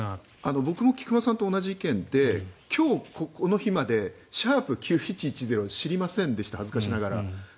僕も菊間さんと同じ意見で今日この日まで「＃９１１０」を知りませんでした恥ずかしながら。